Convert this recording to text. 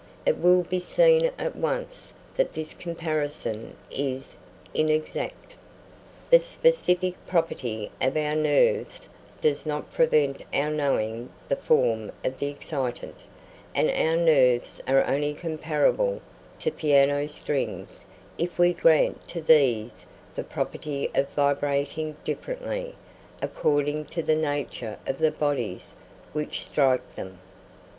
It will be seen at once that this comparison is inexact. The specific property of our nerves does not prevent our knowing the form of the excitant, and our nerves are only comparable to piano strings if we grant to these the property of vibrating differently according to the nature of the bodies which strike them.